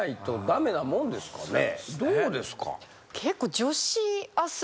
どうですか？